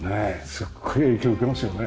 すっごい影響受けますよね。